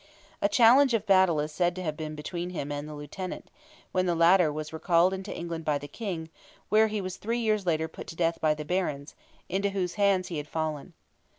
A challenge of battle is said to have passed between him and the Lieutenant, when the latter was recalled into England by the King, where he was three years later put to death by the barons, into whose hands he had fallen.